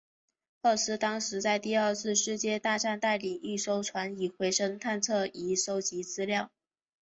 赫斯当时在第二次世界大战带领一艘船以回声测深仪收集资料。